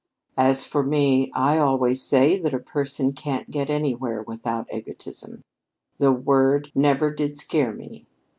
"As for me, I always say that a person can't get anywhere without egotism. The word never did scare me.